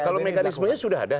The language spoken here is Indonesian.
kalau mekanismenya sudah ada